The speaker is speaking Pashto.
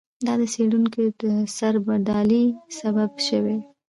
دا د څېړونکو د سربدالۍ سبب شوی.